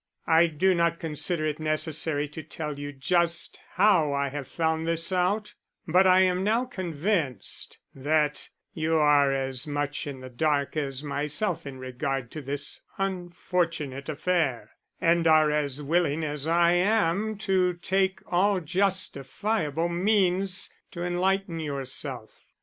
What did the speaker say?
I do not consider it necessary to tell you just how I have found this out, but I am now convinced that you are as much in the dark as myself in regard to this unfortunate affair, and are as willing as I am to take all justifiable means to enlighten yourself.